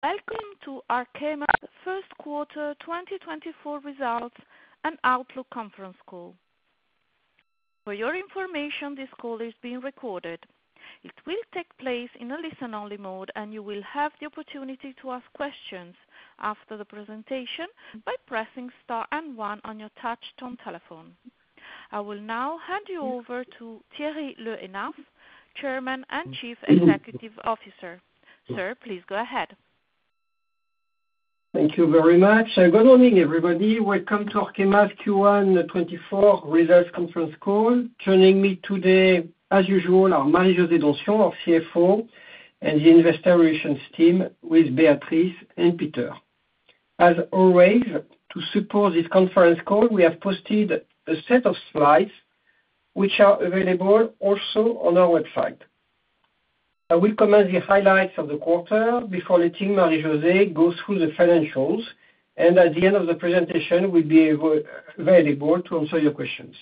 Welcome to Arkema's Q1 2024 Results and Outlook Conference Call. For your information, this call is being recorded. It will take place in a listen-only mode, and you will have the opportunity to ask questions after the presentation by pressing star and 1 on your touch-tone telephone. I will now hand you over to Thierry Le Hénaff, Chairman and Chief Executive Officer. Sir, please go ahead. Thank you very much. Good morning, everybody. Welcome to Arkema's Q1 2024 Results Conference Call. Joining me today, as usual, are Marie-José Donsion, our CFO, and the investor relations team with Béatrice and Peter. As always, to support this conference call, we have posted a set of slides which are available also on our website. I will comment the highlights of the quarter before letting Marie-José go through the financials, and at the end of the presentation, we'll be available to answer your questions.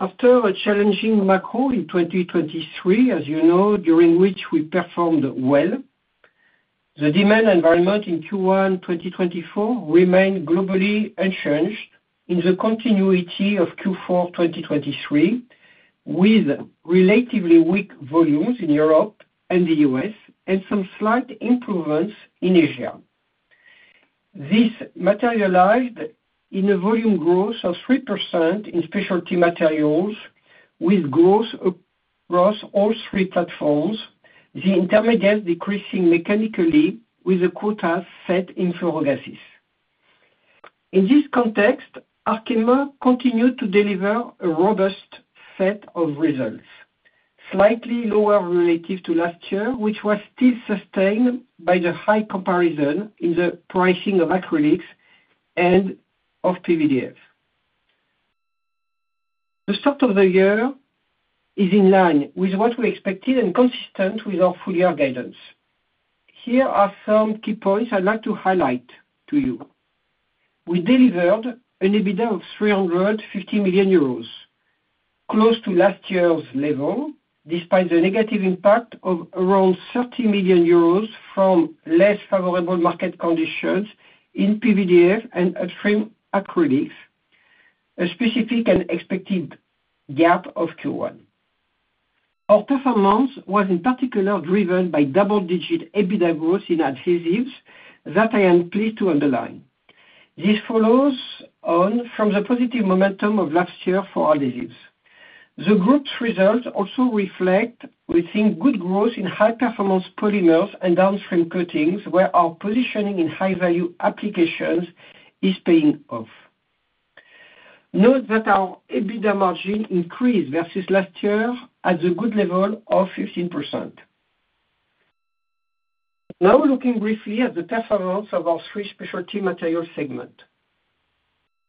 After a challenging macro in 2023, as you know, during which we performed well, the demand environment in Q1 2024 remained globally unchanged in the continuity of Q4 2023, with relatively weak volumes in Europe and the US and some slight improvements in Asia. This materialized in a volume growth of 3% in specialty materials with growth across all three platforms, the intermediates decreasing mechanically with the quotas set in F-gases. In this context, Arkema continued to deliver a robust set of results, slightly lower relative to last year, which was still sustained by the high comparison in the pricing of acrylics and of PVDF. The start of the year is in line with what we expected and consistent with our full-year guidance. Here are some key points I'd like to highlight to you. We delivered an EBITDA of 350 million euros, close to last year's level despite the negative impact of around 30 million euros from less favorable market conditions in PVDF and upstream acrylics, a specific and expected gap of Q1. Our performance was, in particular, driven by double-digit EBITDA growth in adhesives that I am pleased to underline. This follows on from the positive momentum of last year for adhesives. The group's results also reflect, we think, good growth in high-performance polymers and downstream coatings where our positioning in high-value applications is paying off. Note that our EBITDA margin increased versus last year at the good level of 15%. Now, looking briefly at the performance of our three Specialty Materials segments,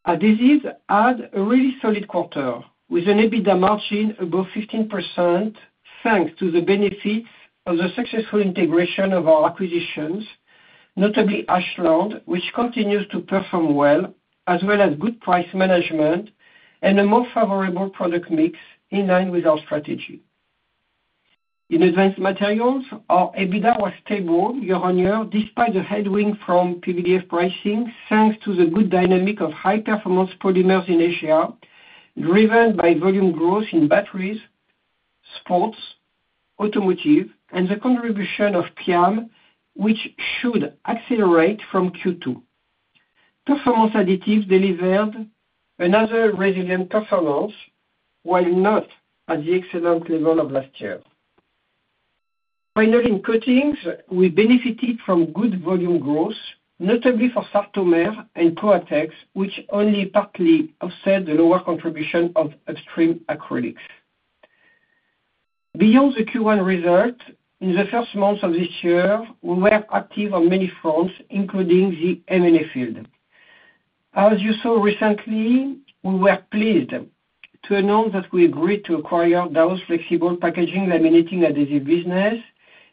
adhesives had a really solid quarter with an EBITDA margin above 15% thanks to the benefits of the successful integration of our acquisitions, notably Ashland, which continues to perform well, as well as good price management and a more favorable product mix in line with our strategy. In advanced materials, our EBITDA was stable year on year despite the headwind from PVDF pricing thanks to the good dynamic of high-performance polymers in Asia driven by volume growth in batteries, sports, automotive, and the contribution of PIAM, which should accelerate from Q2. Performance additives delivered another resilient performance while not at the excellent level of last year. Finally, in coatings, we benefited from good volume growth, notably for Sartomer and Coatex, which only partly offset the lower contribution of upstream acrylics. Beyond the Q1 result, in the first months of this year, we were active on many fronts, including the M&A field. As you saw recently, we were pleased to announce that we agreed to acquire Dow's flexible packaging laminating adhesive business,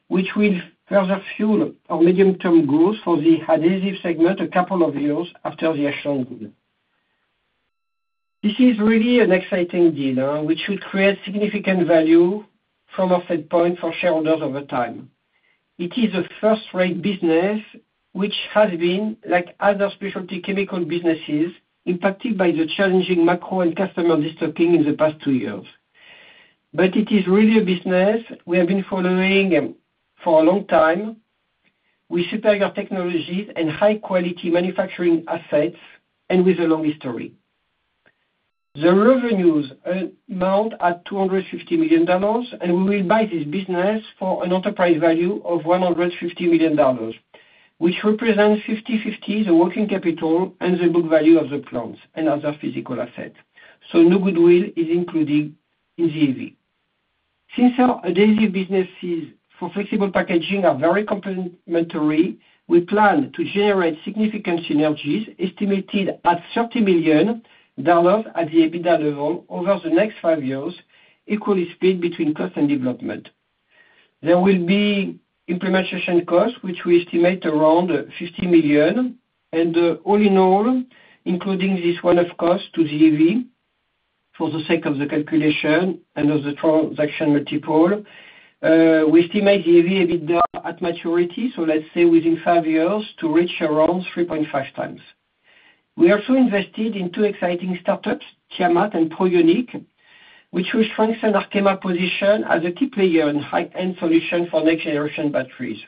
which will further fuel our medium-term growth for the adhesive segment a couple of years after the Ashland deal. This is really an exciting deal, which should create significant value from a set point for shareholders over time. It is the first-rate business which has been, like other specialty chemical businesses, impacted by the challenging macro and customer destocking in the past two years. But it is really a business we have been following for a long time with superior technologies and high-quality manufacturing assets and with a long history. The revenues amount at $250 million, and we will buy this business for an enterprise value of $150 million, which represents 50/50 the working capital and the book value of the plants and other physical assets. So no goodwill is included in the EV. Since our adhesive businesses for flexible packaging are very complementary, we plan to generate significant synergies estimated at $30 million at the EBITDA level over the next five years, equally split between cost and development. There will be implementation costs, which we estimate around $50 million, and all in all, including this one-off cost to the EV for the sake of the calculation and of the transaction multiple, we estimate the EV EBITDA at maturity, so let's say within 5 years, to reach around 3.5x. We also invested in two exciting startups, Tiamat and Proionic, which will strengthen Arkema's position as a key player in high-end solutions for next-generation batteries.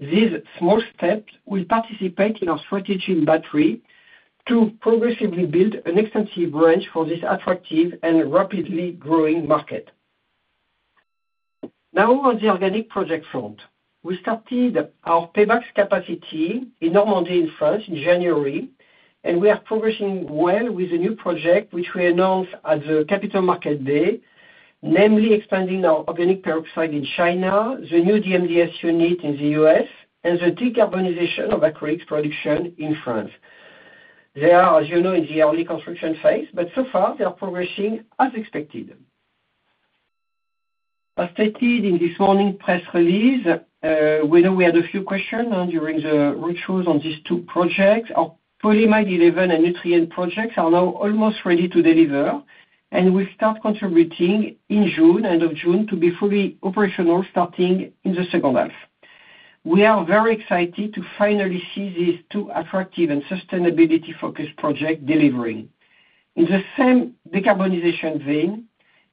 These small steps will participate in our strategy in battery to progressively build an extensive range for this attractive and rapidly growing market. Now, on the organic project front, we started our Pebax capacity in Normandy in France in January, and we are progressing well with a new project which we announced at the Capital Market Day, namely expanding our organic peroxide in China, the new DMDS unit in the U.S., and the decarbonization of acrylics production in France. They are, as you know, in the early construction phase, but so far, they are progressing as expected. As stated in this morning's press release, we know we had a few questions during the roadshows on these two projects. Our Polymer 11 and Nutrien projects are now almost ready to deliver, and we'll start contributing in June, end of June, to be fully operational starting in the second half. We are very excited to finally see these two attractive and sustainability-focused projects delivering. In the same decarbonization vein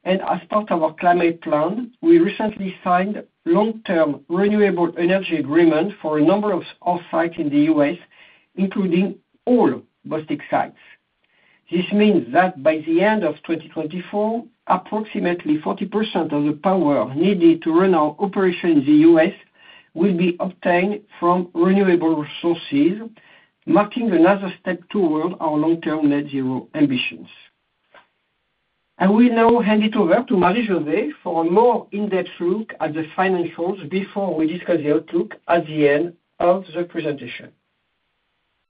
and as part of our climate plan, we recently signed long-term renewable energy agreements for a number of off-sites in the U.S., including all Bostik sites. This means that by the end of 2024, approximately 40% of the power needed to run our operation in the U.S. will be obtained from renewable sources, marking another step toward our long-term net-zero ambitions. I will now hand it over to Marie-José for a more in-depth look at the financials before we discuss the outlook at the end of the presentation.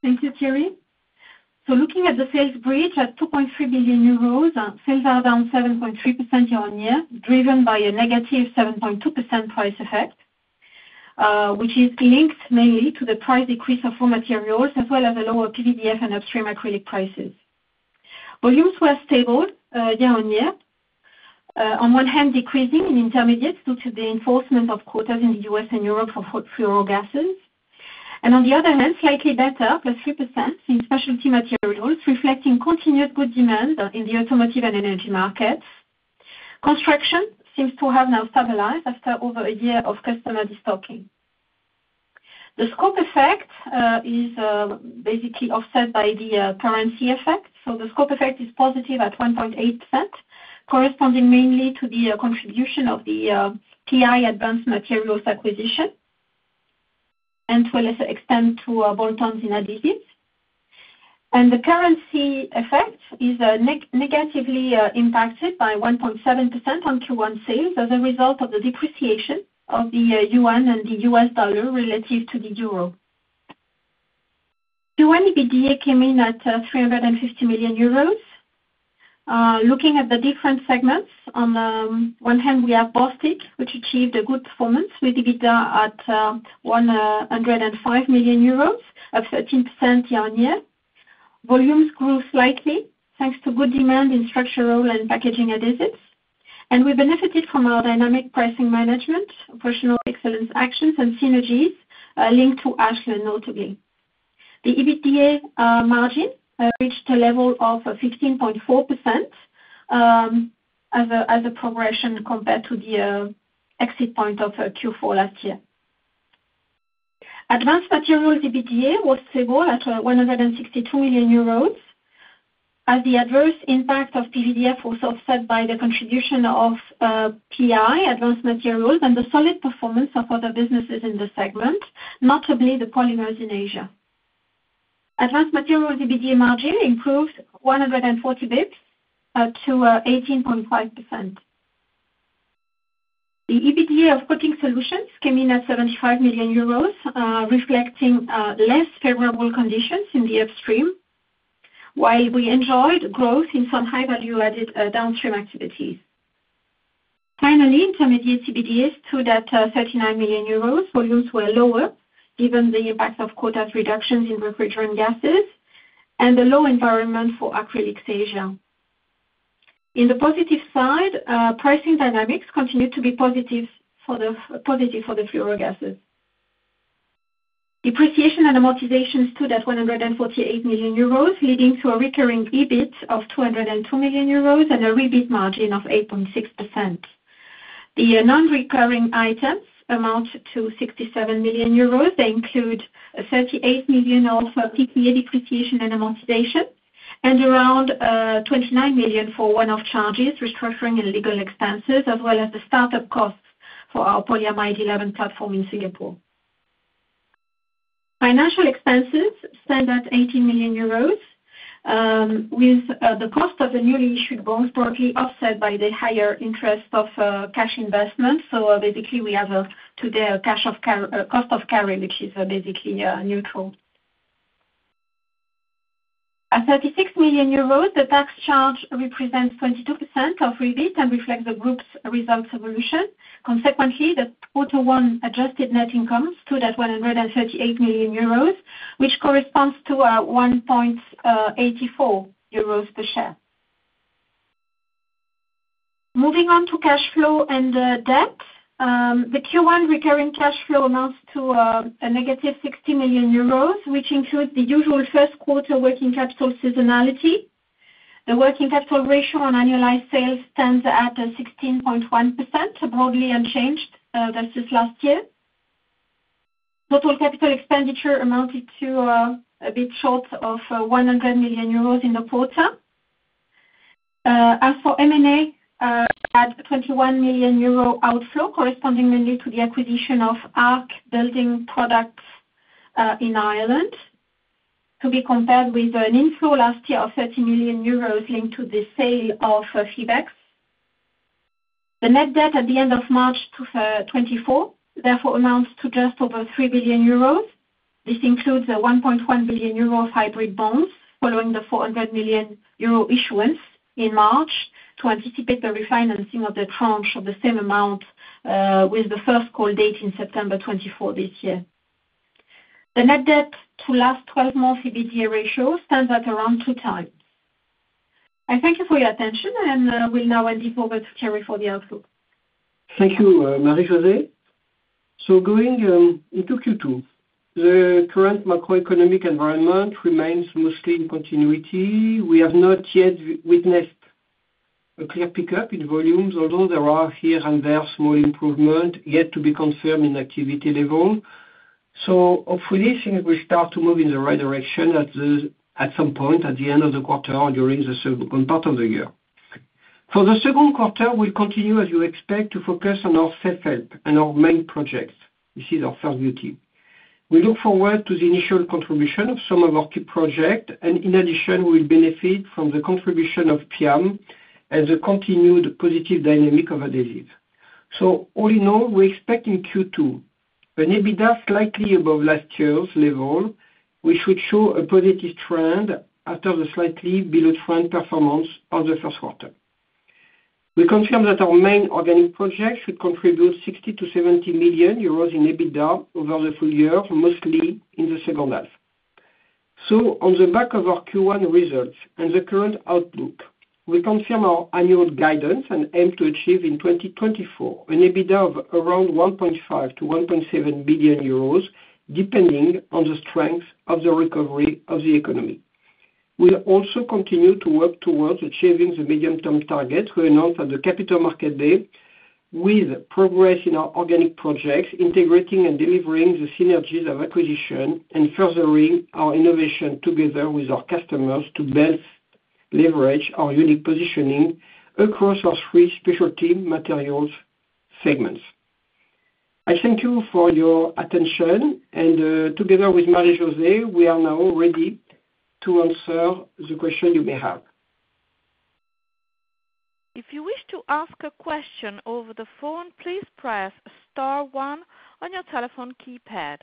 Thank you, Thierry. So looking at the sales bridge at 2.3 billion euros, sales are down 7.3% year-on-year driven by a negative 7.2% price effect, which is linked mainly to the price decrease of raw materials as well as a lower PVDF and upstream acrylic prices. Volumes were stable year-on-year, on one hand decreasing in intermediates due to the enforcement of quotas in the U.S. and Europe for F-gases, and on the other hand slightly better, +3% in specialty materials reflecting continued good demand in the automotive and energy markets. Construction seems to have now stabilized after over a year of customer destocking. The scope effect is basically offset by the currency effect. So the scope effect is positive at 1.8%, corresponding mainly to the contribution of the PI Advanced Materials acquisition and to a lesser extent to bolt-ons in adhesives. The currency effect is negatively impacted by 1.7% on Q1 sales as a result of the depreciation of the yuan and the US dollar relative to the euro. Q1 EBITDA came in at 350 million euros. Looking at the different segments, on one hand, we have Bostik, which achieved a good performance with EBITDA at 105 million euros of 13% year-on-year. Volumes grew slightly thanks to good demand in structural and packaging adhesives, and we benefited from our dynamic pricing management, operational excellence actions, and synergies linked to Ashland, notably. The EBITDA margin reached a level of 15.4% as a progression compared to the exit point of Q4 last year. Advanced materials EBITDA was stable at 162 million euros as the adverse impact of PVDF was offset by the contribution of PI Advanced Materials and the solid performance of other businesses in the segment, notably the polymers in Asia. Advanced Materials EBITDA margin improved 140 basis points to 18.5%. The EBITDA of Coating Solutions came in at 75 million euros reflecting less favorable conditions in the upstream while we enjoyed growth in some high-value-added downstream activities. Finally, Intermediates EBITDA stood at 39 million euros. Volumes were lower given the impact of quota reductions in refrigerant gases and the low environment for acrylics in Asia. On the positive side, pricing dynamics continued to be positive for the F-gases. Depreciation and amortization stood at 148 million euros, leading to a recurring EBIT of 202 million euros and an EBIT margin of 8.6%. The non-recurring items amount to 67 million euros. They include 38 million for PPA depreciation and amortization and around 29 million for one-off charges, restructuring, and legal expenses, as well as the startup costs for our polyamide 11 platform in Singapore. Financial expenses stand at 18 million euros with the cost of the newly issued bonds broadly offset by the higher interest of cash investment. So basically, we have today a cost of carry, which is basically neutral. At 36 million euros, the tax charge represents 22% of EBITDA and reflects the group's results evolution. Consequently, the quarter one adjusted net income stood at 138 million euros, which corresponds to 1.84 euros per share. Moving on to cash flow and debt, the Q1 recurring cash flow amounts to a negative 60 million euros, which includes the usual Q1 working capital seasonality. The working capital ratio on annualized sales stands at 16.1%, broadly unchanged versus last year. Total capital expenditure amounted to a bit short of 100 million euros in the quarter. As for M&A, we had 21 million euro outflow corresponding mainly to the acquisition of Arc Building Products in Ireland to be compared with an inflow last year of 30 million euros linked to the sale of Febex. The net debt at the end of March 2024, therefore, amounts to just over 3 billion euros. This includes a 1.1 billion euro of hybrid bonds following the 400 million euro issuance in March to anticipate the refinancing of the tranche of the same amount with the first call date in September 2024 this year. The net debt to last 12-month EBITDA ratio stands at around 2x. I thank you for your attention, and we'll now hand it over to Thierry for the outlook. Thank you, Marie-José. So going into Q2, the current macroeconomic environment remains mostly in continuity. We have not yet witnessed a clear pickup in volumes, although there are here and there small improvements yet to be confirmed in activity level. So hopefully, things will start to move in the right direction at some point at the end of the quarter or during the second part of the year. For the Q2, we'll continue, as you expect, to focus on our self-help and our main projects. This is our first bullet. We look forward to the initial contribution of some of our key projects, and in addition, we'll benefit from the contribution of PIAM and the continued positive dynamic of adhesives. So all in all, we expect in Q2 an EBITDA slightly above last year's level, which would show a positive trend after the slightly below-trend performance of the Q1. We confirm that our main organic projects should contribute 60 million-70 million euros in EBITDA over the full year, mostly in the second half. So on the back of our Q1 results and the current outlook, we confirm our annual guidance and aim to achieve in 2024 an EBITDA of around 1.5 billion-1.7 billion euros, depending on the strength of the recovery of the economy. We'll also continue to work towards achieving the medium-term targets we announced at the Capital Market Day with progress in our organic projects, integrating and delivering the synergies of acquisition and furthering our innovation together with our customers to best leverage our unique positioning across our three specialty materials segments. I thank you for your attention. Together with Marie-José, we are now ready to answer the question you may have. If you wish to ask a question over the phone, please press star one on your telephone keypad.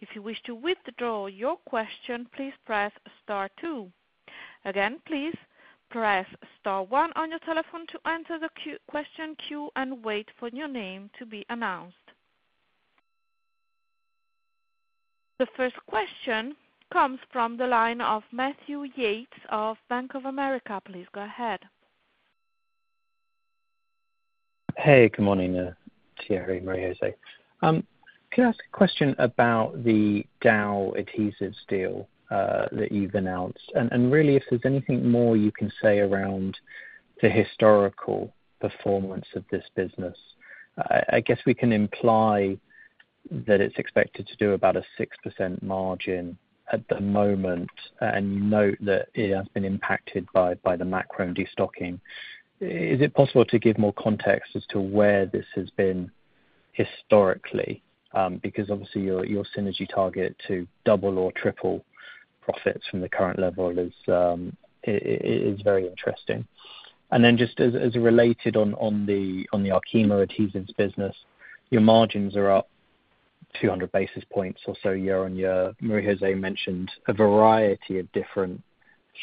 If you wish to withdraw your question, please press star two. Again, please press star one on your telephone to answer the question cue and wait for your name to be announced. The first question comes from the line of Matthew Yates of Bank of America. Please go ahead. Hey. Good morning, Thierry, Marie-José. Can I ask a question about the Dow adhesives deal that you've announced? Really, if there's anything more you can say around the historical performance of this business, I guess we can imply that it's expected to do about a 6% margin at the moment, and you note that it has been impacted by the macro and destocking. Is it possible to give more context as to where this has been historically? Because obviously, your synergy target to double or triple profits from the current level is very interesting. Then just as related on the Arkema adhesives business, your margins are up 200 basis points or so year-on-year. Marie-José mentioned a variety of different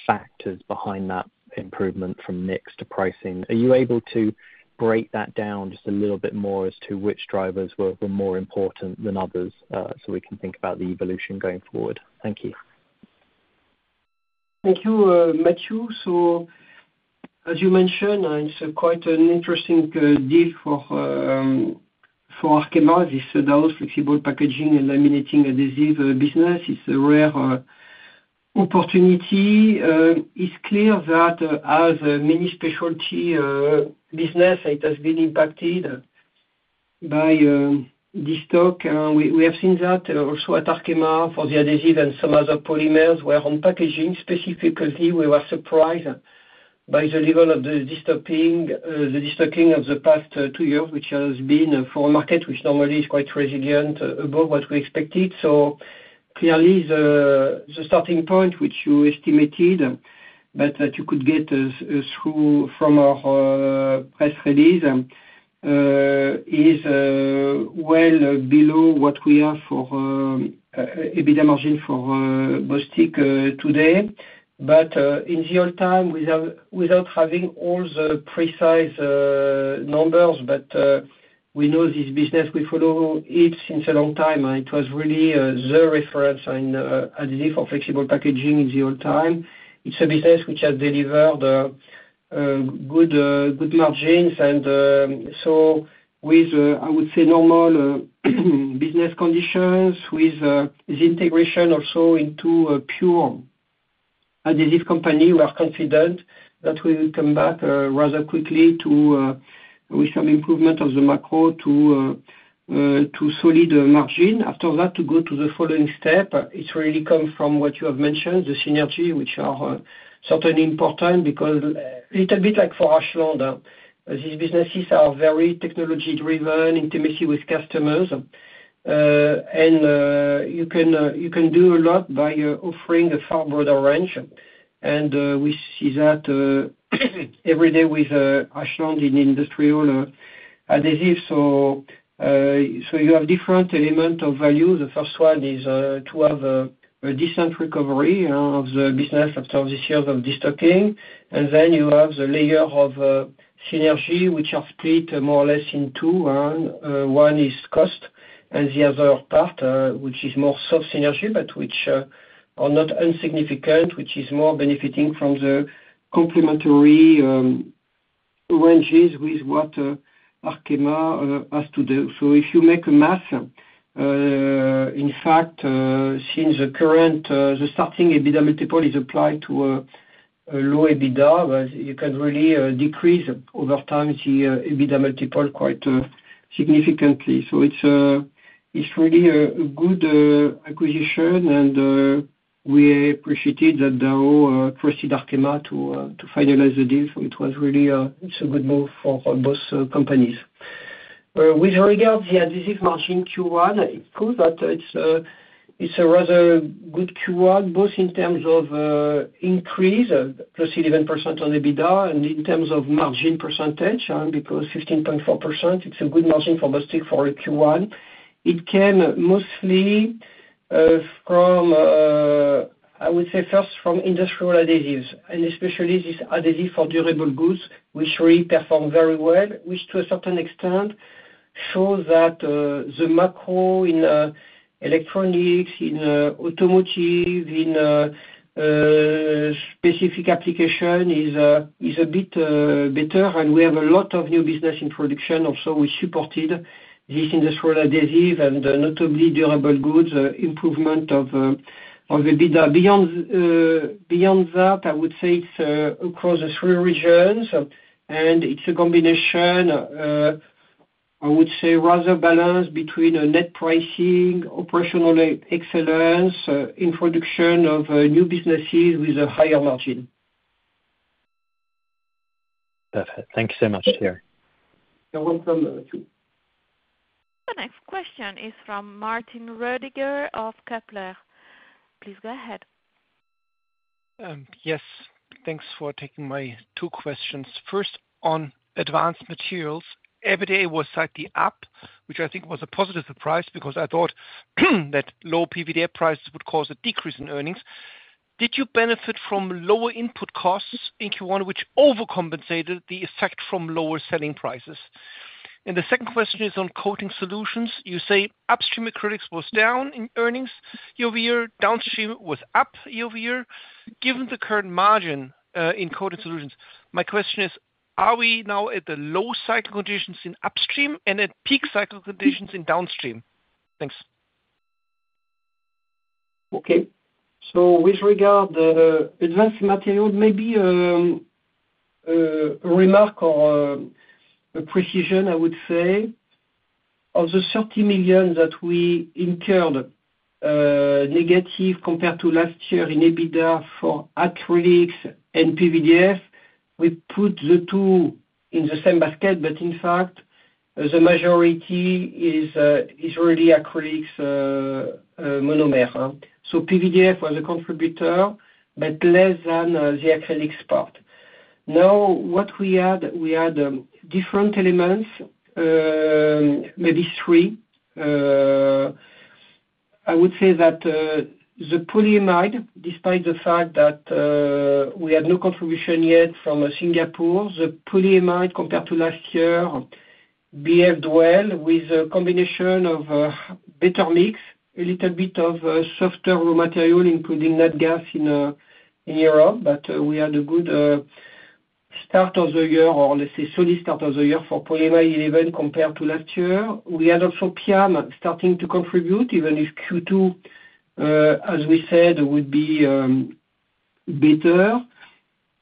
factors behind that improvement from mix to pricing. Are you able to break that down just a little bit more as to which drivers were more important than others so we can think about the evolution going forward? Thank you. Thank you, Matthew. So as you mentioned, it's quite an interesting deal for Arkema. This Dow flexible packaging and laminating adhesive business is a rare opportunity. It's clear that as many specialty businesses, it has been impacted by destocking. We have seen that also at Arkema for the adhesives and some other polymers where on packaging, specifically, we were surprised by the level of the destocking of the past two years, which has been for a market which normally is quite resilient above what we expected. So clearly, the starting point which you estimated that you could get from our press release is well below what we have for EBITDA margin for Bostik today. But in the long term, without having all the precise numbers, but we know this business, we follow it since a long time. It was really the reference in adhesive or flexible packaging in the old time. It's a business which has delivered good margins. And so with, I would say, normal business conditions, with integration also into a pure adhesive company, we are confident that we will come back rather quickly with some improvement of the macro to solid margin. After that, to go to the following step, it's really come from what you have mentioned, the synergy, which are certainly important because a little bit like for Ashland, these businesses are very technology-driven, intimacy with customers. And you can do a lot by offering a far broader range. And we see that every day with Ashland in industrial adhesives. So you have different elements of value. The first one is to have a decent recovery of the business after these years of destocking. And then you have the layer of synergy, which are split more or less in two. One is cost and the other part, which is more soft synergy but which are not insignificant, which is more benefiting from the complementary ranges with what Arkema has to do. So if you make a math, in fact, since the starting EBITDA multiple is applied to a low EBITDA, you can really decrease over time the EBITDA multiple quite significantly. So it's really a good acquisition, and we appreciated that Dow trusted Arkema to finalize the deal. So it was really a good move for both companies. With regard to the adhesive margin Q1, it's true that it's a rather good Q1 both in terms of increase, +11% on EBITDA, and in terms of margin percentage because 15.4%, it's a good margin for Bostik for Q1. It came mostly from, I would say, first from industrial adhesives, and especially this adhesive for durable goods, which really performed very well, which to a certain extent shows that the macro in electronics, in automotive, in specific application is a bit better. We have a lot of new business introduction also which supported this industrial adhesive and notably durable goods improvement of EBITDA. Beyond that, I would say it's across the three regions. It's a combination, I would say, rather balanced between net pricing, operational excellence, introduction of new businesses with a higher margin. Perfect. Thank you so much, Thierry. You're welcome, Matthew. The next question is from Martin Roediger of Kepler. Please go ahead. Yes. Thanks for taking my two questions. First, on advanced materials, EBITDA was cited as up, which I think was a positive surprise because I thought that low PVDF prices would cause a decrease in earnings. Did you benefit from lower input costs in Q1 which overcompensated the effect from lower selling prices? And the second question is on coating solutions. You say upstream acrylics was down in earnings year-over-year, downstream was up year-over-year. Given the current margin in coating solutions, my question is, are we now at the low cycle conditions in upstream and at peak cycle conditions in downstream? Thanks. Okay. So with regard to Advanced Materials, maybe a remark or a precision, I would say, of the 30 million that we incurred negative compared to last year in EBITDA for acrylics and PVDF, we put the two in the same basket. But in fact, the majority is really acrylics monomer. So PVDF was a contributor but less than the acrylics part. Now, what we had, we had different elements, maybe three. I would say that the polyamide, despite the fact that we had no contribution yet from Singapore, the polyamide compared to last year, behaved well with a combination of better mix, a little bit of softer raw material including nat gas in Europe. But we had a good start of the year or, let's say, solid start of the year for polyamide 11 compared to last year. We had also PIAM starting to contribute even if Q2, as we said, would be better.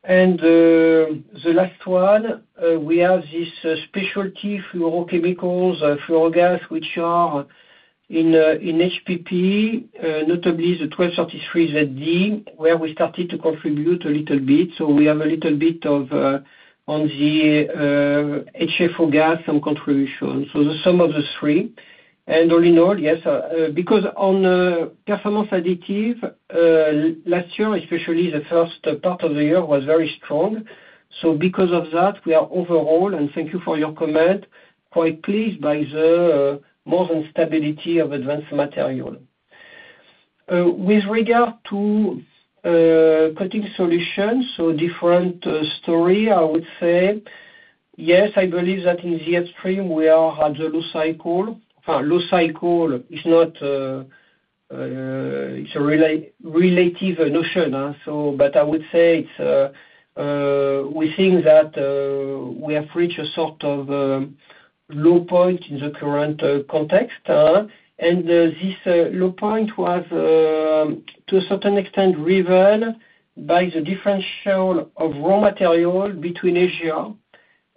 And the last one, we have this specialty fluorochemicals, fluorogases, which are in HPP, notably the 1233zd where we started to contribute a little bit. So we have a little bit of on the HFO gas, some contribution. So the sum of the three. And all in all, yes, because on Performance Additives, last year, especially the first part of the year, was very strong. So because of that, we are overall, and thank you for your comment, quite pleased by the more than stability of Advanced Materials. With regard to Coating Solutions, so different story, I would say, yes, I believe that in the upstream, we are. Had the low cycle. Well, low cycle is not it's a relative notion. But I would say it's we think that we have reached a sort of low point in the current context. And this low point was, to a certain extent, driven by the differential of raw material between Asia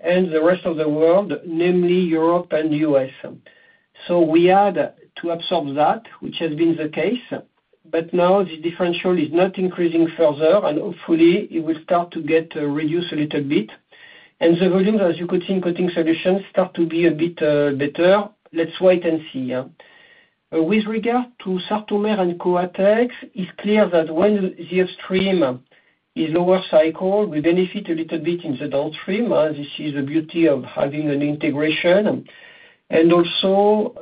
and the rest of the world, namely Europe and the US. So we had to absorb that, which has been the case. But now, this differential is not increasing further. And hopefully, it will start to get reduced a little bit. And the volumes, as you could see in Coating Solutions, start to be a bit better. Let's wait and see. With regard to Sartomer and Coatex, it's clear that when the upstream is lower cycle, we benefit a little bit in the downstream. This is the beauty of having an integration. Also,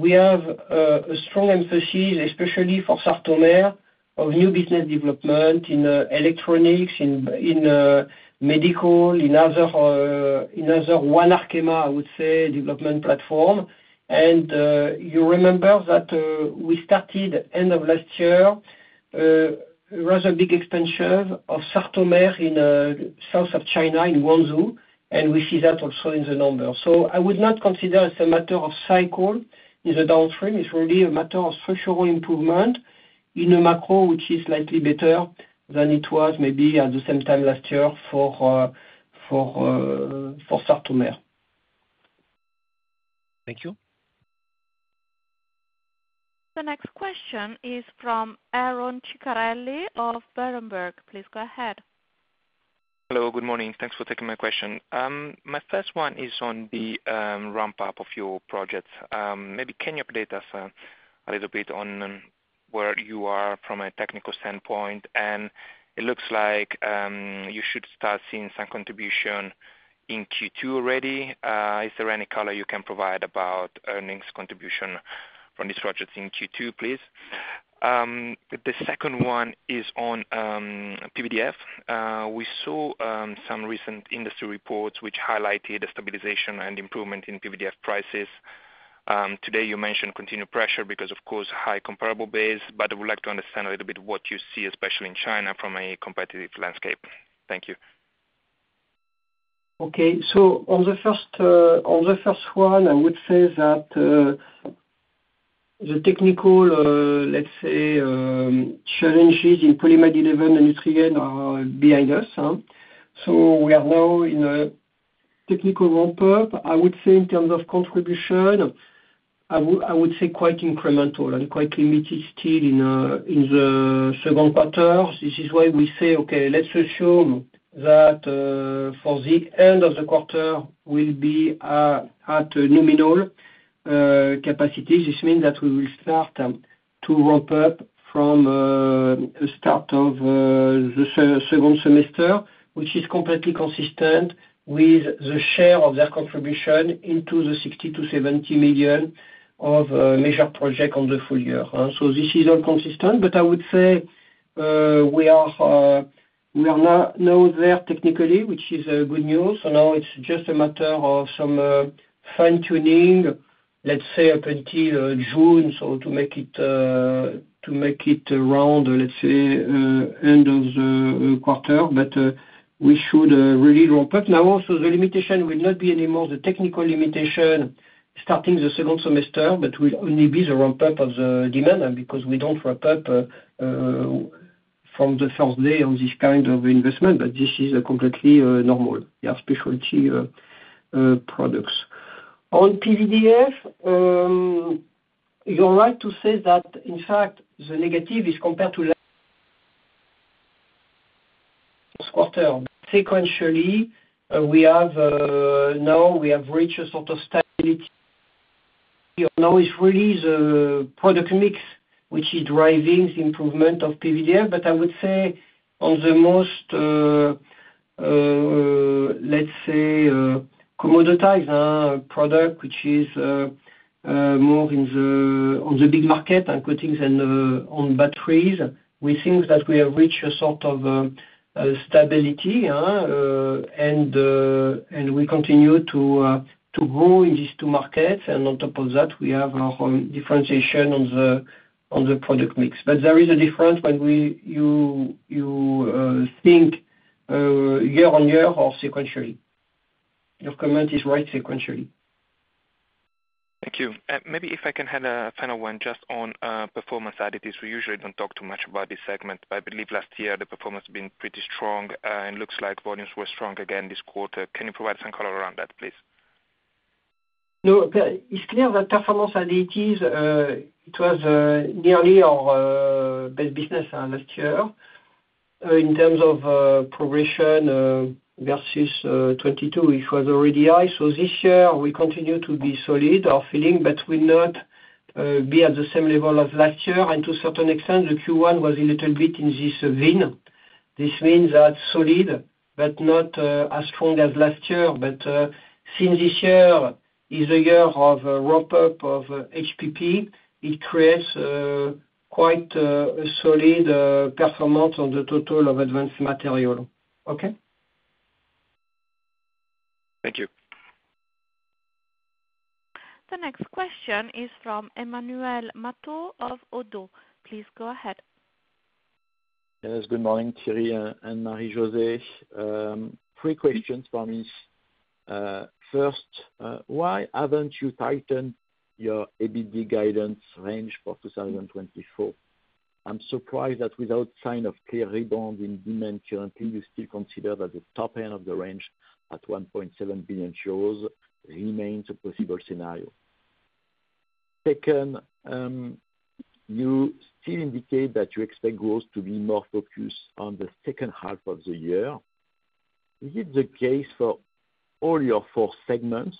we have a strong emphasis, especially for Sartomer, of new business development in electronics, in medical, in other One Arkema, I would say, development platform. You remember that we started end of last year rather big expansion of Sartomer in south of China in Guangzhou. We see that also in the numbers. I would not consider it a matter of cycle in the downstream. It's really a matter of structural improvement in the macro, which is slightly better than it was maybe at the same time last year for Sartomer. Thank you. The next question is from Aron Ceccarelli of Berenberg. Please go ahead. Hello. Good morning. Thanks for taking my question. My first one is on the ramp-up of your project. Maybe you can update us a little bit on where you are from a technical standpoint? And it looks like you should start seeing some contribution in Q2 already. Is there any color you can provide about earnings contribution from these projects in Q2, please? The second one is on PVDF. We saw some recent industry reports which highlighted a stabilization and improvement in PVDF prices. Today, you mentioned continued pressure because, of course, high comparable base. But I would like to understand a little bit what you see, especially in China, from a competitive landscape. Thank you. Okay. So on the first one, I would say that the technical, let's say, challenges in Polyamide 11 and Nutrien are behind us. So we are now in a technical ramp-up. I would say in terms of contribution, I would say quite incremental and quite limited still in the Q2. This is why we say, "Okay. Let's assume that for the end of the quarter, we'll be at nominal capacities." This means that we will start to ramp up from the start of the second semester, which is completely consistent with the share of their contribution into the 60 million-70 million of major projects on the full year. So this is all consistent. But I would say we are now there technically, which is good news. So now, it's just a matter of some fine-tuning, let's say, up until June so to make it round, let's say, end of the quarter. But we should really ramp up. Now, also the limitation will not be anymore the technical limitation starting the second semester, but will only be the ramp-up of the demand because we don't ramp up from the first day on this kind of investment. But this is completely normal. They are specialty products. On PVDF, you're right to say that, in fact, the negative is compared to last quarter. Sequentially, now, we have reached a sort of stability. Now, it's really the product mix which is driving the improvement of PVDF. But I would say on the most, let's say, commoditized product, which is more on the big market, coatings and on batteries, we think that we have reached a sort of stability. We continue to grow in these two markets. On top of that, we have our differentiation on the product mix. There is a difference when you think year-over-year or sequentially. Your comment is right, sequentially. Thank you. Maybe if I can add a final one just on performance additives. We usually don't talk too much about this segment. But I believe last year, the performance has been pretty strong. And it looks like volumes were strong again this quarter. Can you provide some color around that, please? No. It's clear that performance additives, it was nearly our best business last year in terms of progression versus 2022. It was already high. So this year, we continue to be solid, our feeling, but will not be at the same level as last year. And to a certain extent, the Q1 was a little bit in this vein. This means that solid but not as strong as last year. But since this year is the year of ramp-up of HPP, it creates quite a solid performance on the total of Advanced Materials. Okay? Thank you. The next question is from Emmanuel Matot of Oddo BHF. Please go ahead. Yes. Good morning, Thierry and Marie-José. Three questions from me. First, why haven't you tightened your ABD guidance range for 2024? I'm surprised that without sign of clear rebound in demand currently, you still consider that the top end of the range at 1.7 billion euros remains a possible scenario. Second, you still indicate that you expect growth to be more focused on the second half of the year. Is it the case for all your four segments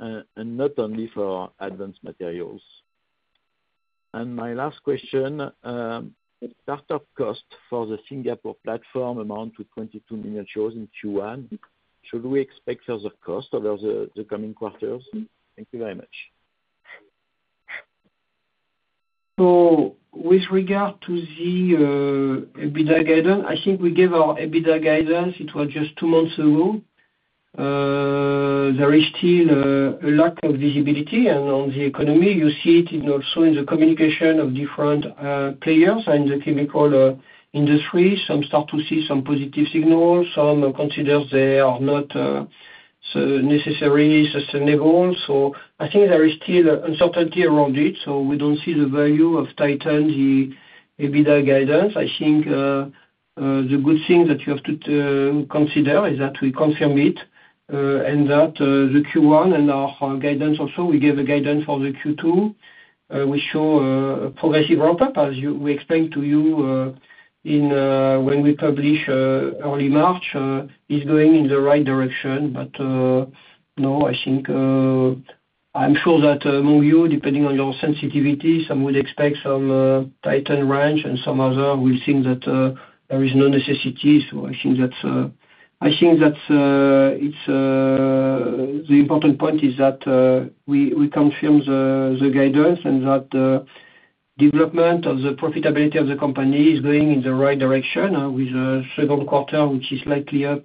and not only for advanced materials? And my last question, startup cost for the Singapore platform amount to 22 million in Q1. Should we expect further cost over the coming quarters? Thank you very much. So with regard to the EBITDA guidance, I think we gave our EBITDA guidance. It was just two months ago. There is still a lack of visibility. And on the economy, you see it also in the communication of different players and the chemical industry. Some start to see some positive signals. Some consider they are not necessarily sustainable. So I think there is still uncertainty around it. So we don't see the value of tightening the EBITDA guidance. I think the good thing that you have to consider is that we confirm it and that the Q1 and our guidance also, we gave a guidance for the Q2. We show a progressive ramp-up, as we explained to you when we published early March, is going in the right direction. But no, I think I'm sure that among you, depending on your sensitivity, some would expect some tightened range. Some others will think that there is no necessity. So I think that's the important point is that we confirm the guidance and that the development of the profitability of the company is going in the right direction with the Q2, which is slightly up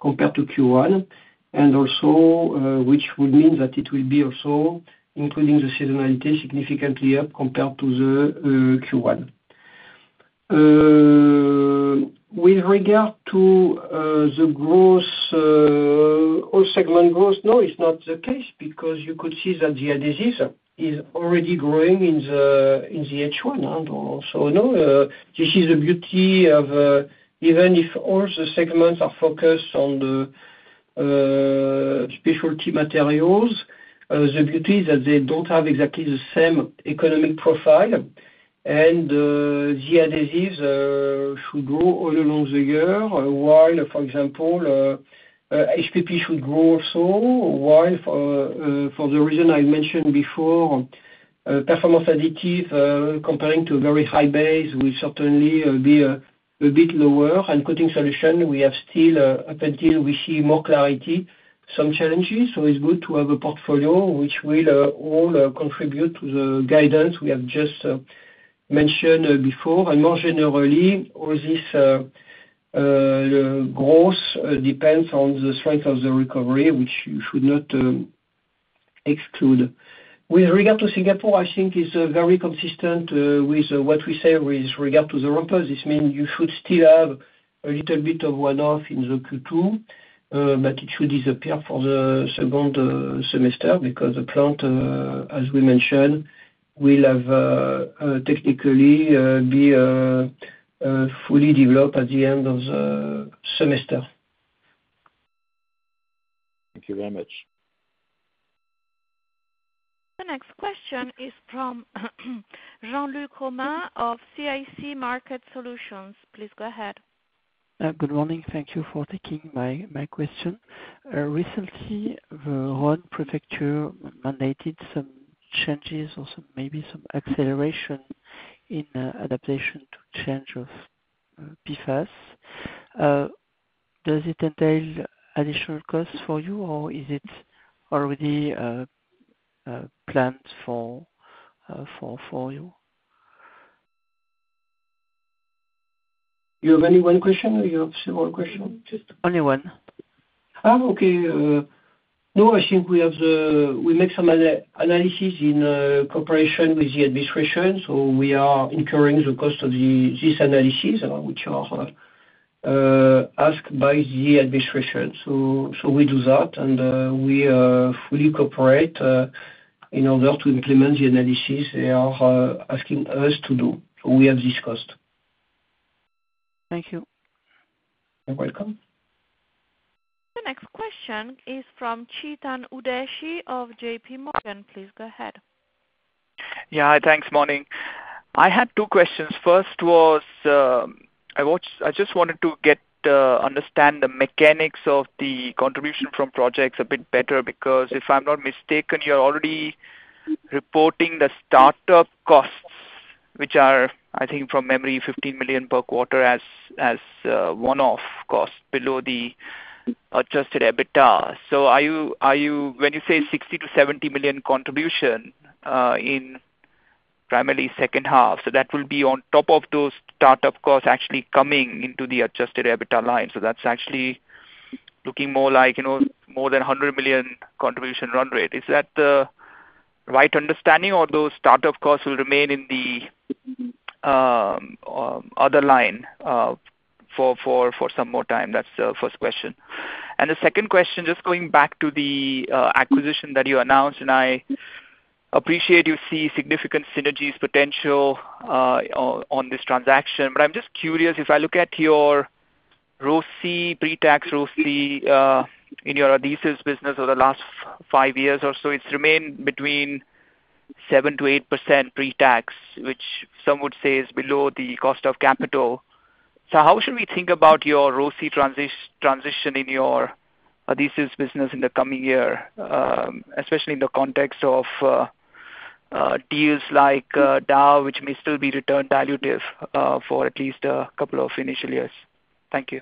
compared to Q1, and also which would mean that it will be also including the seasonality significantly up compared to the Q1. With regard to the growth, all segment growth, no, it's not the case because you could see that the adhesive is already growing in the H1. So no, this is the beauty of even if all the segments are focused on the Specialty Materials, the beauty is that they don't have exactly the same economic profile. The adhesives should grow all along the year while, for example, HPP should grow also while for the reason I mentioned before, Performance Additives comparing to a very high base will certainly be a bit lower. Coating Solutions, we have still up until we see more clarity, some challenges. So it's good to have a portfolio which will all contribute to the guidance we have just mentioned before. And more generally, all this growth depends on the strength of the recovery, which you should not exclude. With regard to Singapore, I think it's very consistent with what we say with regard to the ramp-up. This means you should still have a little bit of one-off in the Q2. But it should disappear for the second semester because the plant, as we mentioned, will technically be fully developed at the end of the semester. Thank you very much. The next question is from Jean-Luc Romain of CIC Market Solutions. Please go ahead. Good morning. Thank you for taking my question. Recently, the Rhône Prefecture mandated some changes or maybe some acceleration in adaptation to change of PFAS. Does it entail additional costs for you, or is it already planned for you? You have any one question, or you have several questions? Only one. Oh, okay. No, I think we make some analysis in cooperation with the administration. So we are incurring the cost of this analysis, which are asked by the administration. So we do that. And we fully cooperate in order to implement the analysis they are asking us to do. So we have this cost. Thank you. You're welcome. The next question is from Chetan Udeshi of JPMorgan. Please go ahead. Yeah. Thanks. Morning. I had two questions. First was I just wanted to understand the mechanics of the contribution from projects a bit better because if I'm not mistaken, you're already reporting the startup costs, which are, I think, from memory, 15 million per quarter as one-off cost below the adjusted EBITDA. So when you say 60 million-70 million contribution in primarily second half, so that will be on top of those startup costs actually coming into the adjusted EBITDA line. So that's actually looking more like more than 100 million contribution run rate. Is that the right understanding, or those startup costs will remain in the other line for some more time? That's the first question. And the second question, just going back to the acquisition that you announced, and I appreciate you see significant synergies potential on this transaction. I'm just curious, if I look at your pre-tax ROCE in your adhesives business over the last five years or so, it's remained between 7%-8% pre-tax, which some would say is below the cost of capital. So how should we think about your ROCE transition in your adhesives business in the coming year, especially in the context of deals like Dow, which may still be returned dilutive for at least a couple of initial years? Thank you.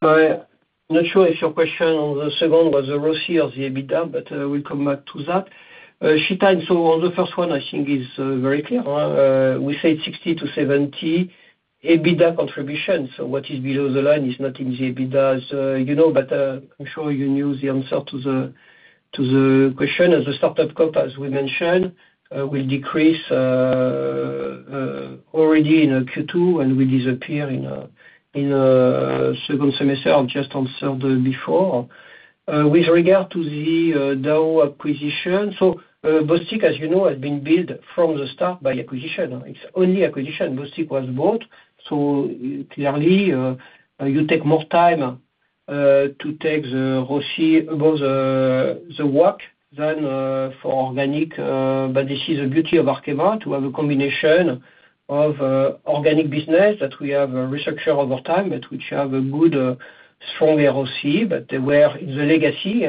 I'm not sure if your question on the second was the ROCE or the EBITDA, but we'll come back to that. Chetan, so on the first one, I think it's very clear. We said 60 million-70 million EBITDA contribution. So what is below the line is not in the EBITDA as you know. But I'm sure you knew the answer to the question. As the startup cost, as we mentioned, will decrease already in Q2 and will disappear in the second semester, just answered before. With regard to the Dow acquisition, so Bostik, as you know, has been built from the start by acquisition. It's only acquisition. Bostik was bought. So clearly, you take more time to take the ROCE above the WACC than for organic. But this is the beauty of Arkema to have a combination of organic business that we have a restructure over time, which have a good, stronger ROCE. But they were in the legacy.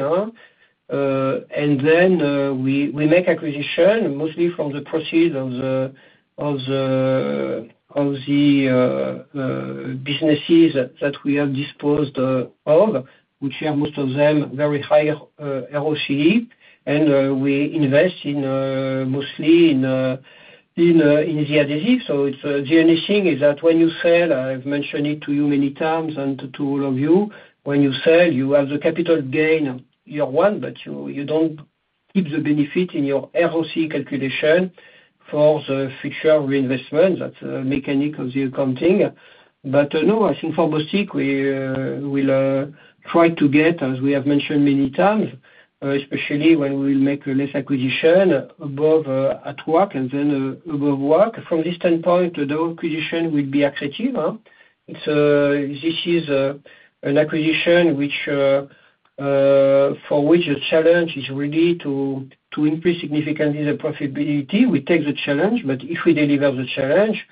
And then we make acquisition mostly from the proceeds of the businesses that we have disposed of, which are most of them very high ROCE. And we invest mostly in the adhesive. So the only thing is that when you sell, I've mentioned it to you many times and to all of you, when you sell, you have the capital gain, your one, but you don't keep the benefit in your ROCE calculation for the future reinvestment. That's the mechanics of the accounting. But no, I think for Bostik, we will try to get, as we have mentioned many times, especially when we will make less acquisition above at work and then above work. From this standpoint, the acquisition will be attractive. This is an acquisition for which the challenge is really to increase significantly the profitability. We take the challenge. But if we deliver the challenge,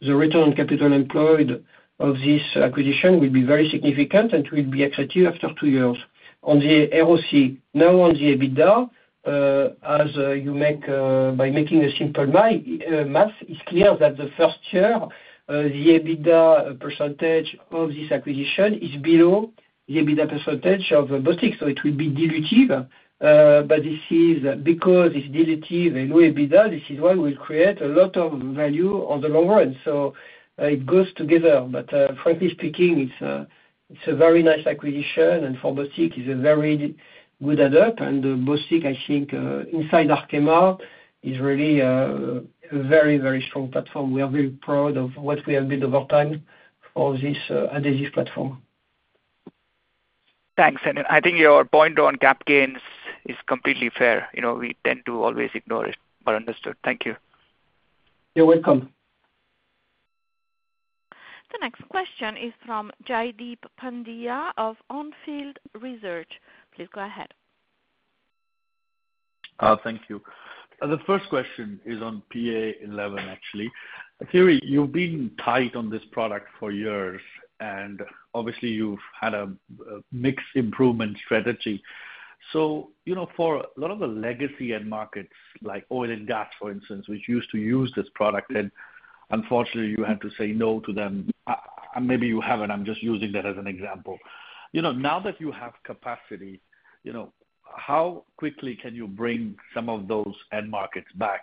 the return on capital employed of this acquisition will be very significant, and it will be attractive after two years on the ROCE. Now, on the EBITDA, by making a simple math, it's clear that the first year, the EBITDA percentage of this acquisition is below the EBITDA percentage of Bostik. So it will be dilutive. But because it's dilutive and low EBITDA, this is why we'll create a lot of value in the long run. So it goes together. But frankly speaking, it's a very nice acquisition. And for Bostik, it's a very good add-on. And Bostik, I think inside Arkema is really a very, very strong platform. We are very proud of what we have built over time for this adhesive platform. Thanks. I think your point on cap gains is completely fair. We tend to always ignore it but understood. Thank you. You're welcome. The next question is from Jaideep Pandya of On Field Research. Please go ahead. Thank you. The first question is on PA11, actually. Thierry, you've been tight on this product for years. And obviously, you've had a mixed improvement strategy. So for a lot of the legacy end markets like oil and gas, for instance, which used to use this product, and unfortunately, you had to say no to them, maybe you haven't. I'm just using that as an example. Now that you have capacity, how quickly can you bring some of those end markets back?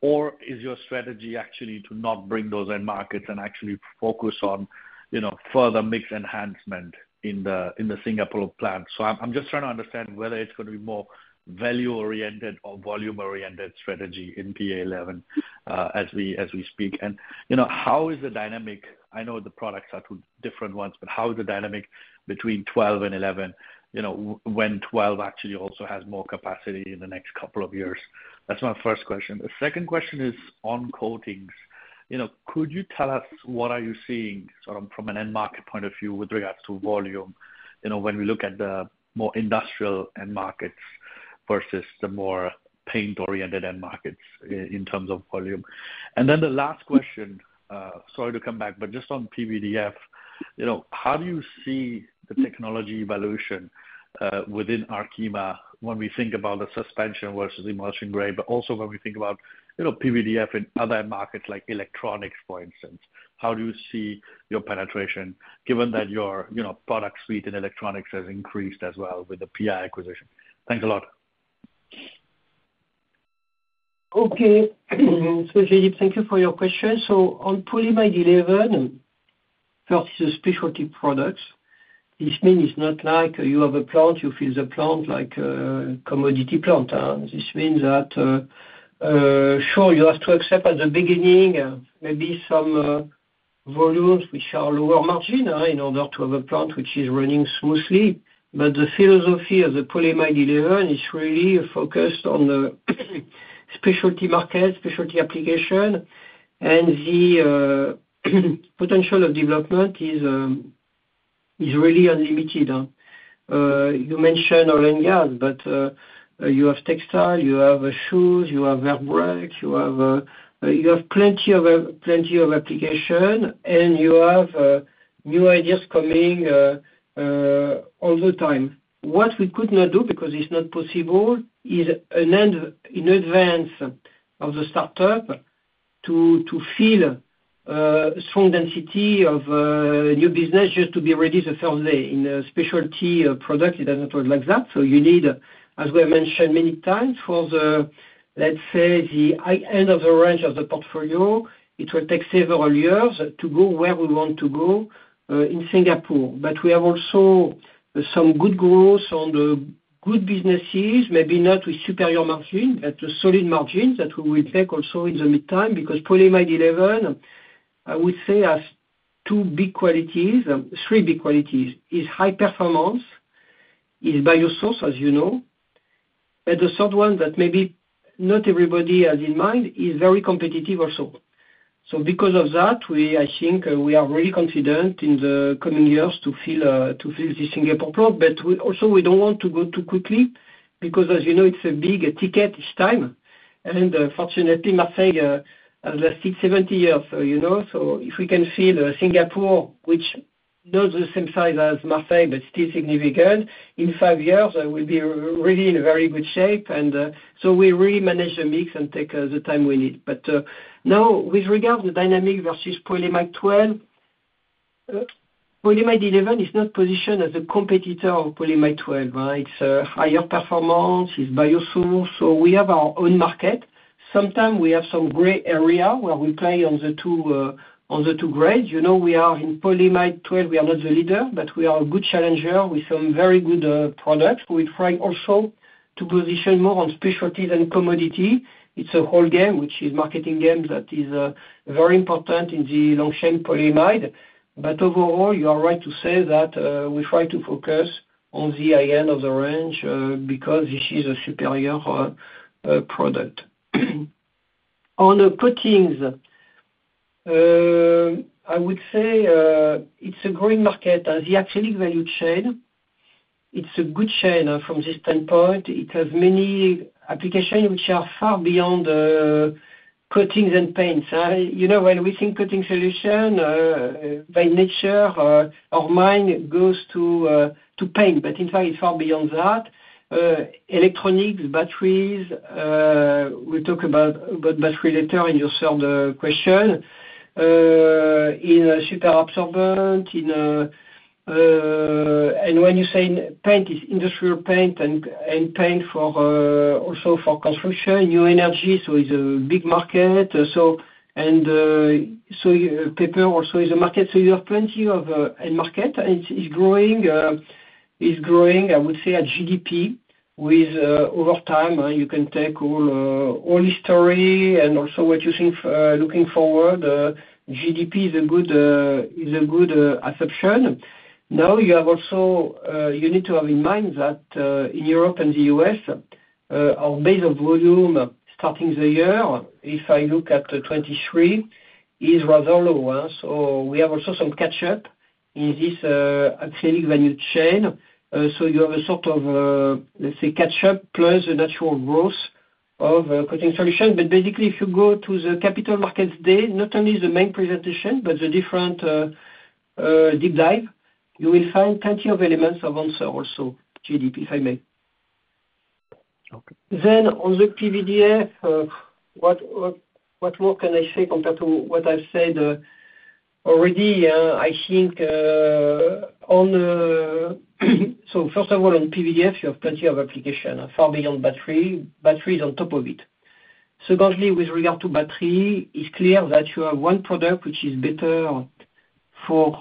Or is your strategy actually to not bring those end markets and actually focus on further mixed enhancement in the Singapore plant? So I'm just trying to understand whether it's going to be more value-oriented or volume-oriented strategy in PA11 as we speak. And how is the dynamic? I know the products are two different ones, but how is the dynamic between 12 and 11 when 12 actually also has more capacity in the next couple of years? That's my first question. The second question is on coatings. Could you tell us what are you seeing sort of from an end market point of view with regards to volume when we look at the more industrial end markets versus the more paint-oriented end markets in terms of volume? And then the last question sorry to come back, but just on PVDF, how do you see the technology evolution within Arkema when we think about the suspension versus the emulsion grade? But also when we think about PVDF in other markets like electronics, for instance, how do you see your penetration given that your product suite in electronics has increased as well with the PI acquisition? Thanks a lot. Okay. So Jaideep, thank you for your question. So on Polymer 11 versus the specialty products, this means it's not like you have a plant. You fill the plant like a commodity plant. This means that, sure, you have to accept at the beginning maybe some volumes, which are lower margin, in order to have a plant which is running smoothly. But the philosophy of the Polymer 11 is really focused on the specialty market, specialty application. And the potential of development is really unlimited. You mentioned oil and gas, but you have textile. You have shoes. You have airbags. You have plenty of application. And you have new ideas coming all the time. What we could not do because it's not possible is in advance of the startup to fill strong density of new business just to be ready the first day. In a specialty product, it doesn't work like that. So you need, as we have mentioned many times, for, let's say, the high end of the range of the portfolio, it will take several years to go where we want to go in Singapore. But we have also some good growth on the good businesses, maybe not with superior margins, but solid margins that we will take also in the meantime because Polymer 11, I would say, has three big qualities. It's high performance. It's bio-based, as you know. But the third one that maybe not everybody has in mind is very competitive also. So because of that, I think we are really confident in the coming years to fill the Singapore plant. But also, we don't want to go too quickly because, as you know, it's a big ticket each time. And fortunately, Marseille has lasted 70 years. So if we can fill Singapore, which is not the same size as Marseille but still significant, in five years, it will be really in very good shape. So we really manage the mix and take the time we need. But now, with regard to the dynamic versus Polymer 12, Polymer 11 is not positioned as a competitor of Polymer 12. It's higher performance. It's biosource. So we have our own market. Sometimes, we have some gray area where we play on the two grades. We are in Polymer 12. We are not the leader, but we are a good challenger with some very good products. We try also to position more on specialties and commodity. It's a whole game, which is a marketing game that is very important in the long-chain polymer. But overall, you are right to say that we try to focus on the high end of the range because this is a superior product. On the coatings, I would say it's a growing market. The acrylic value chain, it's a good chain from this standpoint. It has many applications which are far beyond coatings and paints. When we think coating solution, by nature, our mind goes to paint. But in fact, it's far beyond that. Electronics, batteries we'll talk about, but battery later in your third question in super absorbent. And when you say paint, it's industrial paint and paint also for construction, new energy. So it's a big market. And paper also is a market. So you have plenty of end market. And it's growing. It's growing, I would say, at GDP with over time. You can take all history and also what you're looking forward. GDP is a good assumption. Now, you need to have in mind that in Europe and the U.S., our base of volume starting the year, if I look at 2023, is rather low. So we have also some catch-up in this acrylic value chain. So you have a sort of, let's say, catch-up plus the natural growth of coating solution. But basically, if you go to the Capital Markets Day, not only the main presentation but the different deep dive, you will find plenty of elements of answer also, GDP, if I may. Then on the PVDF, what more can I say compared to what I've said already? I think, so first of all, on PVDF, you have plenty of application, far beyond battery. Battery is on top of it. Secondly, with regard to battery, it's clear that you have one product which is better for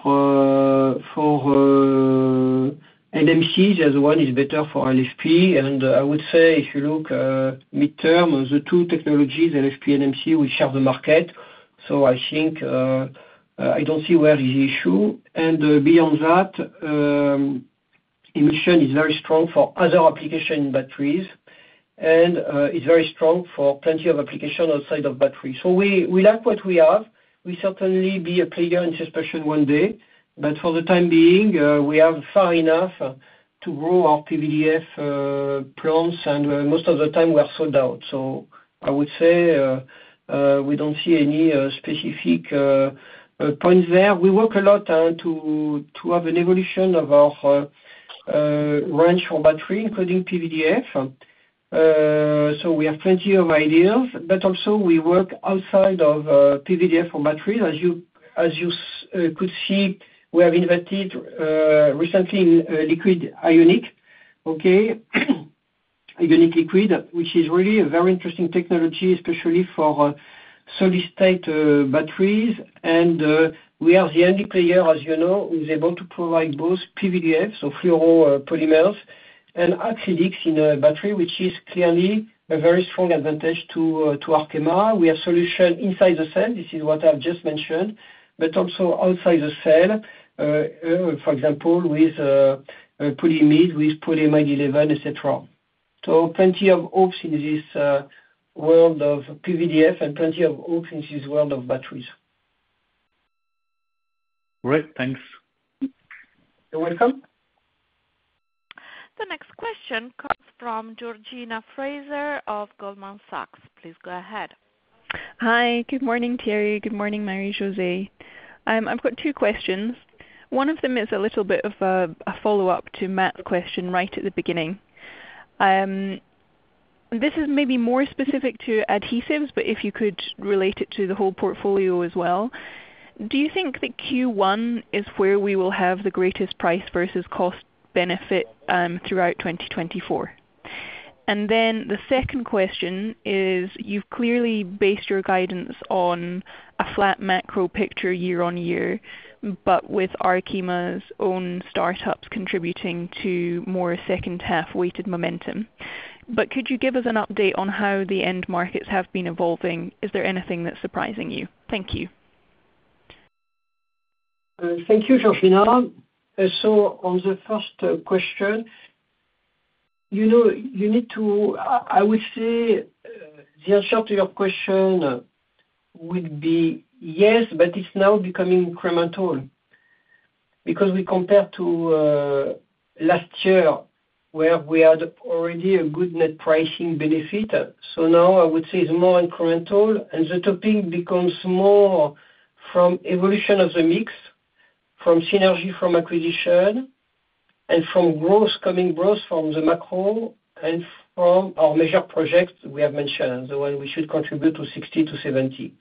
NMCs. The other one is better for LFP. And I would say, if you look mid-term, the two technologies, LFP and NMC, which share the market. So I don't see where is the issue. And beyond that, emulsion is very strong for other application batteries. And it's very strong for plenty of applications outside of batteries. So we like what we have. We certainly be a player in suspension one day. But for the time being, we have far enough to grow our PVDF plants. And most of the time, we are sold out. So I would say we don't see any specific points there. We work a lot to have an evolution of our range for battery, including PVDF. So we have plenty of ideas. But also, we work outside of PVDF for batteries. As you could see, we have invested recently in liquid ionic, okay, ionic liquid, which is really a very interesting technology, especially for solid-state batteries. And we are the only player, as you know, who is able to provide both PVDF, so fluoropolymers, and acrylics in a battery, which is clearly a very strong advantage to Arkema. We have solution inside the cell. This is what I have just mentioned, but also outside the cell, for example, with Polyamide, with Polyamide 11, etc. So plenty of hopes in this world of PVDF and plenty of hopes in this world of batteries. Great. Thanks. You're welcome. The next question comes from Georgina Fraser of Goldman Sachs. Please go ahead. Hi. Good morning, Thierry. Good morning, Marie-José Donsion. I've got two questions. One of them is a little bit of a follow-up to Matt's question right at the beginning. This is maybe more specific to adhesives, but if you could relate it to the whole portfolio as well. Do you think that Q1 is where we will have the greatest price versus cost-benefit throughout 2024? And then the second question is, you've clearly based your guidance on a flat macro picture year-on-year, but with Arkema's own startups contributing to more second-half-weighted momentum. But could you give us an update on how the end markets have been evolving? Is there anything that's surprising you? Thank you. Thank you, Georgina. So on the first question, you need to—I would say the answer to your question would be yes, but it's now becoming incremental because we compare to last year where we had already a good net pricing benefit. So now, I would say it's more incremental. And the topic becomes more from evolution of the mix, from synergy, from acquisition, and from coming growth from the macro and from our major projects we have mentioned, the one we should contribute to 60-70.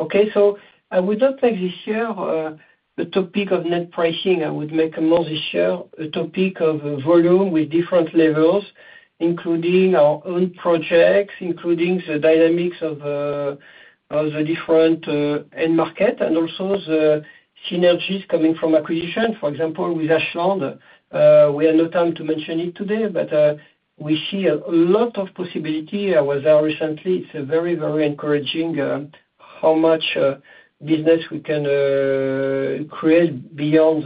Okay? So I would not like this year the topic of net pricing. I would make more this year the topic of volume with different levels, including our own projects, including the dynamics of the different end market and also the synergies coming from acquisition. For example, with Ashland, we had no time to mention it today, but we see a lot of possibility. I was there recently. It's very, very encouraging how much business we can create beyond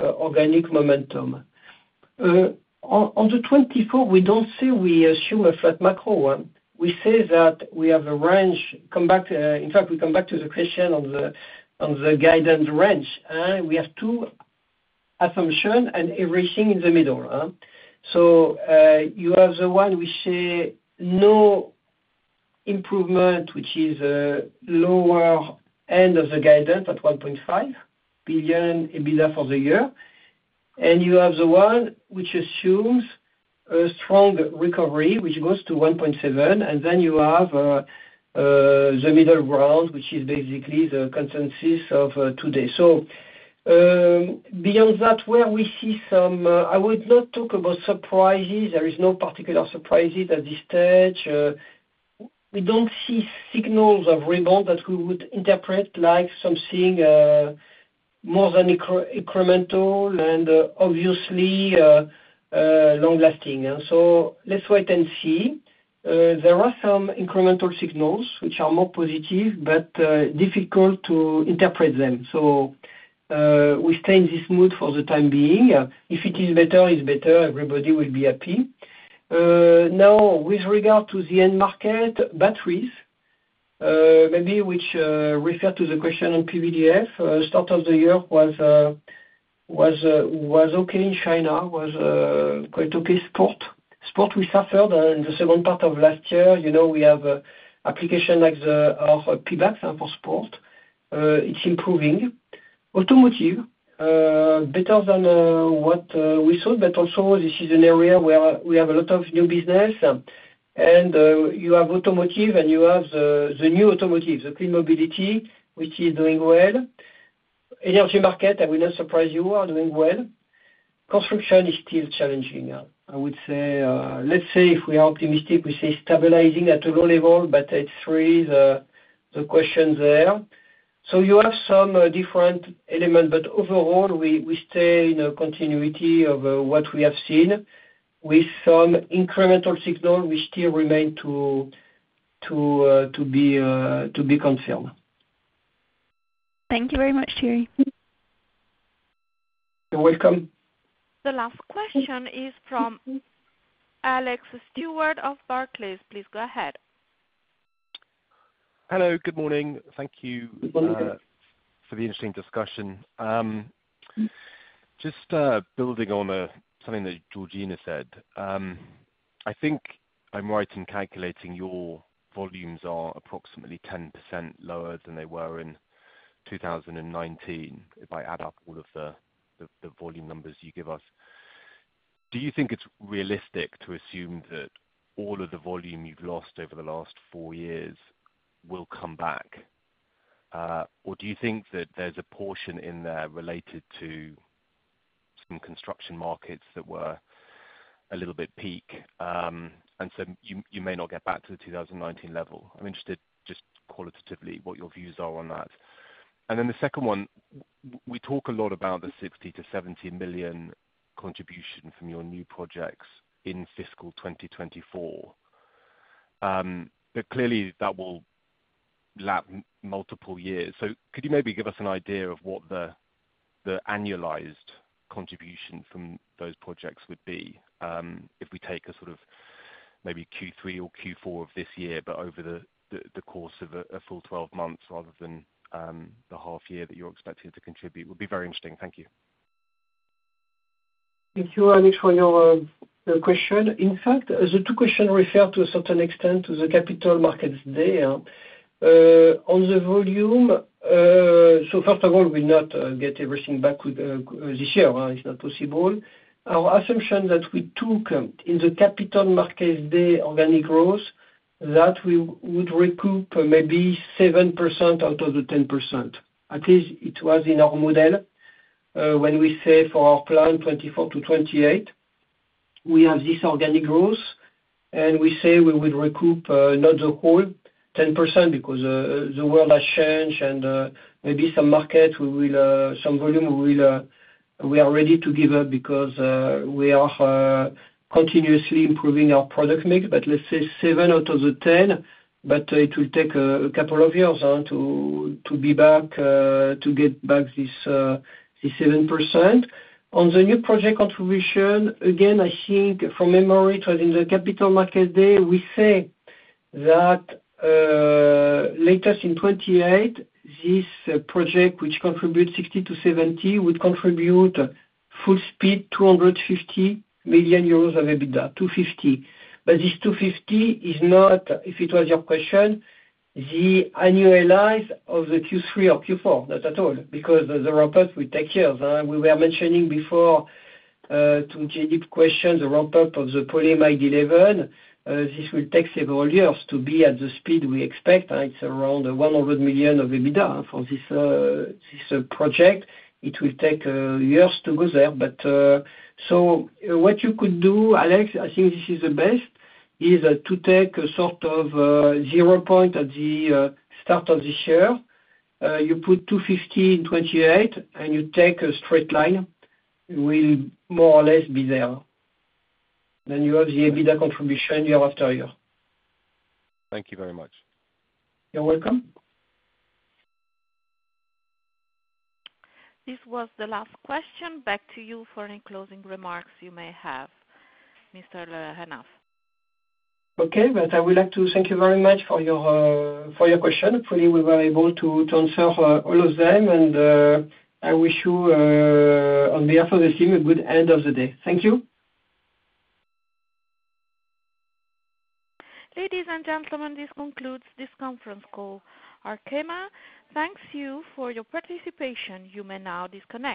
organic momentum. On the 2024, we don't say we assume a flat macro. We say that we have a range come back. In fact, we come back to the question on the guidance range. We have two assumptions and everything in the middle. So you have the one which say no improvement, which is lower end of the guidance at 1.5 billion EBITDA for the year. And you have the one which assumes a strong recovery, which goes to 1.7 billion. And then you have the middle ground, which is basically the consensus of today. So beyond that, where we see some I would not talk about surprises. There is no particular surprises at this stage. We don't see signals of rebound that we would interpret like something more than incremental and obviously long-lasting. So let's wait and see. There are some incremental signals which are more positive but difficult to interpret them. So we stay in this mood for the time being. If it is better, it's better. Everybody will be happy. Now, with regard to the end market, batteries, maybe which refer to the question on PVDF, start of the year was okay in China, was quite okay sports. Sports, we suffered in the second part of last year. We have applications like our Pebax for sports. It's improving. Automotive, better than what we thought. But also, this is an area where we have a lot of new business. And you have automotive, and you have the new automotive, the clean mobility, which is doing well. Energy market, I will not surprise you, are doing well. Construction is still challenging, I would say. Let's say, if we are optimistic, we say stabilizing at a low level. But it raises the question there. So you have some different elements. But overall, we stay in a continuity of what we have seen with some incremental signal which still remain to be confirmed. Thank you very much, Thierry. You're welcome. The last question is from Alex Stewart of Barclays. Please go ahead. Hello. Good morning. Thank you for the interesting discussion. Just building on something that Georgina said, I think I'm right in calculating your volumes are approximately 10% lower than they were in 2019 if I add up all of the volume numbers you give us. Do you think it's realistic to assume that all of the volume you've lost over the last four years will come back? Or do you think that there's a portion in there related to some construction markets that were a little bit peak and so you may not get back to the 2019 level? I'm interested just qualitatively what your views are on that. Then the second one, we talk a lot about the 60 million-70 million contribution from your new projects in fiscal 2024. But clearly, that will lap multiple years. Could you maybe give us an idea of what the annualized contribution from those projects would be if we take a sort of maybe Q3 or Q4 of this year but over the course of a full 12 months rather than the half year that you're expecting it to contribute? It would be very interesting. Thank you. Thank you, Alex, for your question. In fact, the two questions refer to a certain extent to the Capital Markets Day. On the volume, so first of all, we'll not get everything back this year. It's not possible. Our assumption that we took in the Capital Markets Day organic growth, that we would recoup maybe 7% out of the 10%. At least, it was in our model when we say for our plan, 2024 to 2028, we have this organic growth. And we say we would recoup not the whole 10% because the world has changed. And maybe some markets, some volume, we are ready to give up because we are continuously improving our product mix. But let's say 7 out of the 10. But it will take a couple of years to be back to get back this 7%. On the new project contribution, again, I think from memory, it was in the Capital Markets Day. We say that latest in 2028, this project which contributes 60 million-70 million would contribute full speed 250 million euros of EBITDA, 250. But this 250 is not if it was your question, the annualized of the Q3 or Q4, not at all because the ramp-up will take years. We were mentioning before to Jaideep's question, the ramp-up of the Polyamide 11, this will take several years to be at the speed we expect. It's around 100 million of EBITDA for this project. It will take years to go there. So what you could do, Alex, I think this is the best, is to take a sort of zero point at the start of this year. You put 250 in 2028, and you take a straight line. It will more or less be there. Then you have the EBITDA contribution year-after-year. Thank you very much. You're welcome. This was the last question. Back to you for closing remarks you may have, Mr. Le Hénaff. Okay. I would like to thank you very much for your question. Hopefully, we were able to answer all of them. I wish you, on behalf of the team, a good end of the day. Thank you. Ladies and gentlemen, this concludes this conference call. Arkema thanks you for your participation. You may now disconnect.